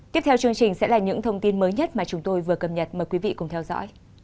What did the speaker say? tiếp theo chương trình sẽ là những thông tin mới nhất mà chúng tôi vừa cập nhật mời quý vị cùng theo dõi